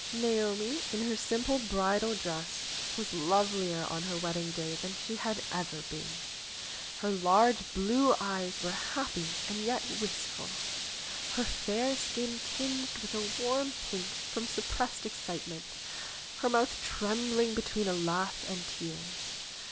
Naomi, in her simple bridal dress, was lovelier on her wedding day than she had ever been. Her large blue eyes were happy and yet wistful, her fair skin tinged 66 NAOMI'S WEDDING BELLS with a warm pink from suppressed excitement, her mouth trembling between a laugh and tears.